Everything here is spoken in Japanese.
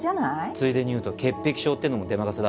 ついでに言うと潔癖症っていうのもでまかせだ。